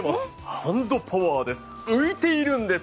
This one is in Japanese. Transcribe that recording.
ハンドパワーです